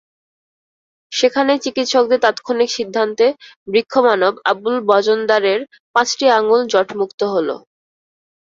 সেখানেই চিকিৎসকদের তাৎক্ষণিক সিদ্ধান্তে বৃক্ষমানব আবুল বাজনদারের পাঁচটি আঙুল জটমুক্ত হলো।